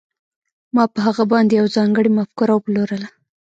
ما په هغه باندې یوه ځانګړې مفکوره وپلورله